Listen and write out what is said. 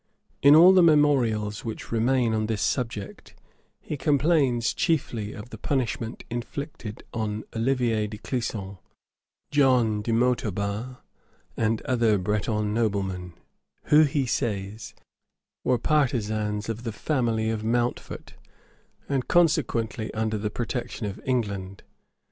In all the memorials which remain on this subject, he complains chiefly of the punishment inflicted on Oliver de Clisson, John de Montauban, and other Breton noblemen, who, he says, were partisans of the family of Mountfort, and consequently under the protection of England.